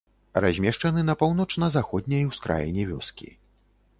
Размешчаны на паўночна-заходняй ускраіне вёскі.